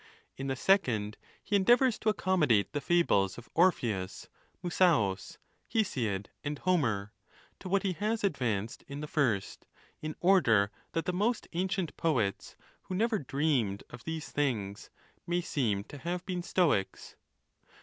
In the second, he endeavors to ac commodate the fables of Orpheus, Musaaus, Hesiod, and Homer to what he has advanced in the first, in order that the most ancient poets, who never dreamed of these things, may seem to have been Stoics.